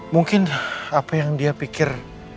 mungkin apa yang dia pikir